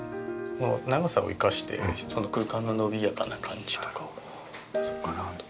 長さを生かして空間の伸びやかな感じとかを出そうかなと。